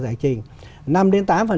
giải trình năm đến tám